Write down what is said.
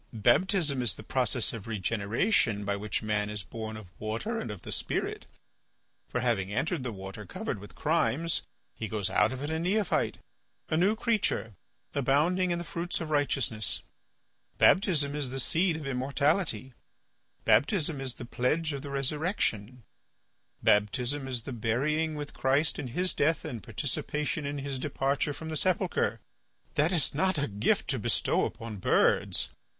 Baptism is the process of regeneration by which man is born of water and of the spirit, for having entered the water covered with crimes, he goes out of it a neophyte, a new creature, abounding in the fruits of righteousness; baptism is the seed of immortality; baptism is the pledge of the resurrection; baptism is the burying with Christ in His death and participation in His departure from the sepulchre. That is not a gift to bestow upon birds.